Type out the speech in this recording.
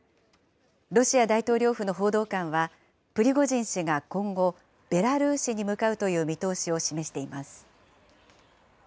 ロシア大統領府の報道官は、プリゴジン氏が今後、ベラルーシに向かうという見通しを示しています。